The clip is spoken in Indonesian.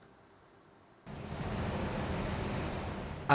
untuk mengurai kemacetan satlantas polres bogor memberlakukan satu arah ke puncak